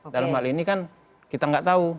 dalam hal ini kan kita nggak tahu